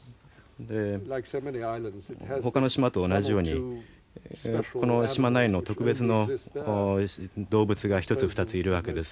他の島と同じようにこの島内の特別の動物が１つ２ついるわけです。